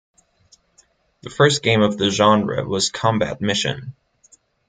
The first game of the genre was Combat Mission.